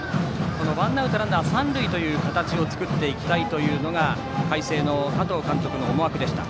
ワンアウトランナー、三塁という形を作っていきたいのが海星の加藤監督の思惑でした。